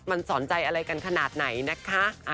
มันสอนใจอะไรกันขนาดไหนนะคะ